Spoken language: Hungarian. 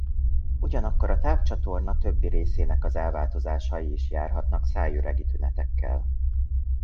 Ugyanakkor a tápcsatorna többi részének az elváltozásai is járhatnak szájüregi tünetekkel.